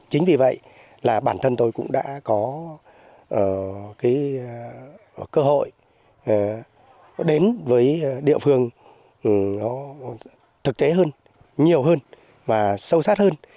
chính vì vậy là bản thân tôi cũng đã có cái cơ hội đến với địa phương nó thực tế hơn nhiều hơn và sâu sát hơn